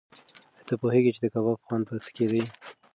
ایا ته پوهېږې چې د کباب خوند په څه کې دی؟